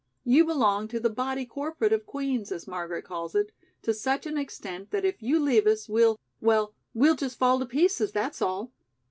"You belong to the 'body corporate' of Queen's, as Margaret calls it, to such an extent that if you leave us, we'll well, we'll just fall to pieces, that's all."